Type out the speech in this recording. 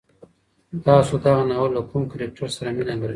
تاسو د دغه ناول له کوم کرکټر سره مینه لرئ؟